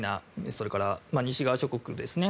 それから西側諸国ですね。